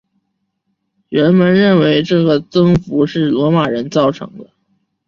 人们认为这个增幅是罗马人造成的。